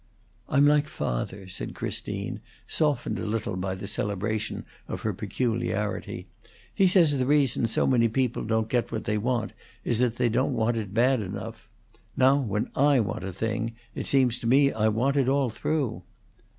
"I'm like father," said Christine, softened a little by the celebration of her peculiarity. "He says the reason so many people don't get what they want is that they don't want it bad enough. Now, when I want a thing, it seems to me that I want it all through."